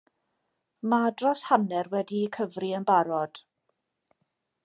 Mae dros hanner wedi'u cyfri yn barod.